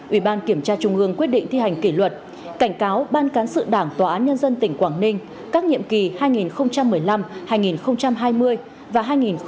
ủy ban kiểm tra trung ương quyết định thi hành kỷ luật cảnh cáo ban cán sự đảng tòa án nhân dân tỉnh quảng ninh các nhiệm kỳ hai nghìn một mươi năm hai nghìn hai mươi và hai nghìn hai mươi hai nghìn hai mươi năm